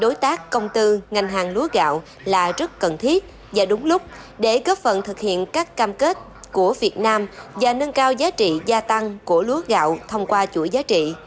đối tác công tư ngành hàng lúa gạo là rất cần thiết và đúng lúc để góp phần thực hiện các cam kết của việt nam và nâng cao giá trị gia tăng của lúa gạo thông qua chuỗi giá trị